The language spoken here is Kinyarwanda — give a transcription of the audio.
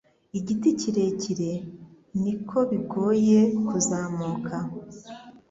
Igiti kirekire, niko bigoye kuzamuka.